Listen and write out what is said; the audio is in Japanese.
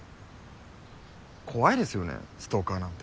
怖いですよねストーカーなんて。